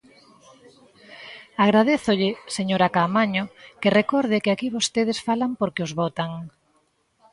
Agradézolle, señora Caamaño, que recorde que aquí vostedes falan porque os votan.